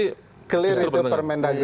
bang ferry justru pernah dengar